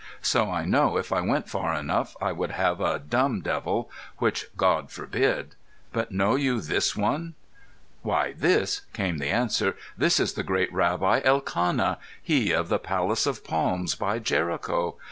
So I know if I went far enough I would have a dumb devil, which God forbid! But know you this one?" "Why, this" came the answer "this is the great Rabbi Elkanah, he of the Palace of Palms, by Jericho.